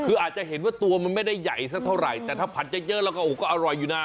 คืออาจจะเห็นว่าตัวมันไม่ได้ใหญ่สักเท่าไหร่แต่ถ้าผัดจะเยอะแล้วก็โอ้โหก็อร่อยอยู่นะ